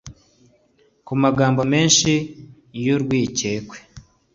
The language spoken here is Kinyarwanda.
ku magambo menshi y'urwikekwe